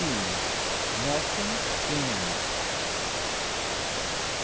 NELSON JANES.